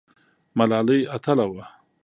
ملالۍ اتله وه؟